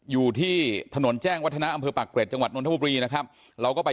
อยู่ที่